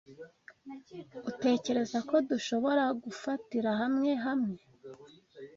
Uratekereza ko dushobora gufatira hamwe hamwe?